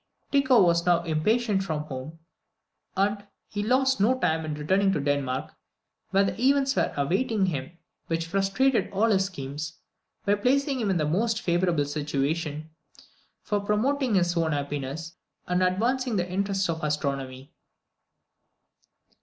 Tycho was now impatient for home, and he lost no time in returning to Denmark, where events were awaiting him which frustrated all his schemes, by placing him in the most favourable situation for promoting his own happiness, and advancing the interests of astronomy.